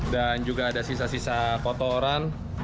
dan juga ada sisa sisa kotoran